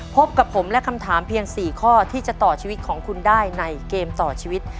พบกับผมและคำถามเพียง๔ข้อที่จะต่อชีวิตของคุณได้ในเกมต่อชีวิต